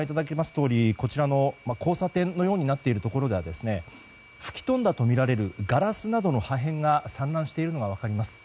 とおり交差点のようになっているところでは吹き飛んだとみられるガラスなどの破片が散乱しているのが分かります。